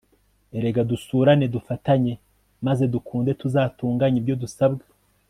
erega dusurane dufatanye, maze dukunde tuzatunganye ibyo dusabwa